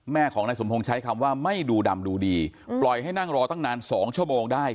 แม่ของนายสมพงษ์ใช้คำว่าไม่ดูดำดูดีปล่อยให้นั่งรอตั้งนาน๒ชั่วโมงได้